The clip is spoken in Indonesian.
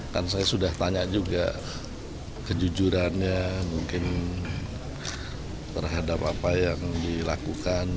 kan saya sudah tanya juga kejujurannya mungkin terhadap apa yang dilakukan